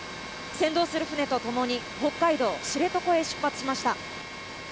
先導する船と共に北海道知床へ出発しました。